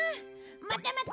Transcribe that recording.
またまた！